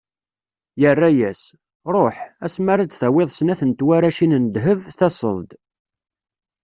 Yerra-as: Ruḥ, ass mi ara d-tawiḍ snat n twaracin n ddheb, taseḍ-d.